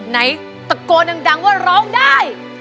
ไหนตะโกนดังว่าร้องได้